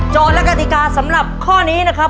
และกติกาสำหรับข้อนี้นะครับ